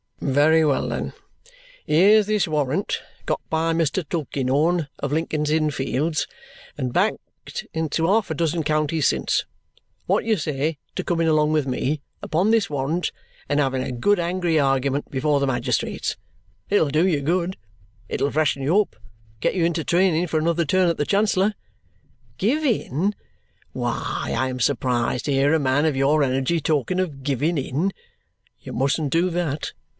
Very well, then; here's this warrant got by Mr. Tulkinghorn of Lincoln's Inn Fields, and backed into half a dozen counties since. What do you say to coming along with me, upon this warrant, and having a good angry argument before the magistrates? It'll do you good; it'll freshen you up and get you into training for another turn at the Chancellor. Give in? Why, I am surprised to hear a man of your energy talk of giving in. You mustn't do that.